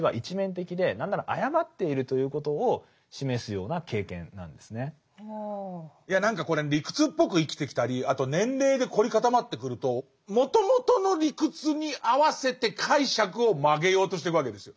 それに対していや何かこれ理屈っぽく生きてきたりあと年齢で凝り固まってくるともともとの理屈に合わせて解釈を曲げようとしていくわけですよ。